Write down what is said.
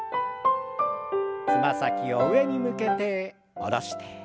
つま先を上に向けて下ろして。